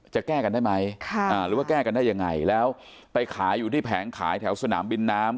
จะแก้กันได้ไหมหรือว่าแก้กันได้ยังไงแล้วไปขายอยู่ที่แผงขายแถวสนามบินน้ำ